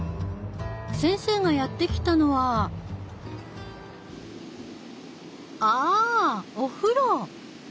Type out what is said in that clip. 先生がやって来たのはあお風呂！